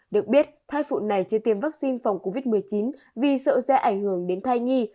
được biết thai phụ này chưa tiêm vaccine phòng covid một mươi chín vì sợ sẽ ảnh hưởng đến thai nhi